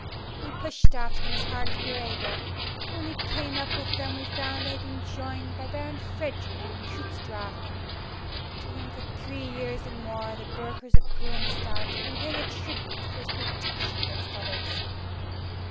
We pushed after them as hard as we were able, but when we came up with them we found that they had been joined by Baron Frederick of Trutz Drachen, to whom for three years and more the burghers of Gruenstadt have been paying a tribute for his protection against others.